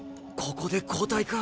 ここで交代か。